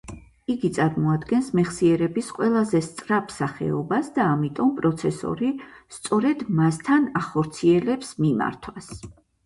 იგი წარმოადგენს მეხსიერების ყველაზე სწრაფ სახეობას და ამიტომ პროცესორი სწორედ მასთან ახორციელებს მიმართვას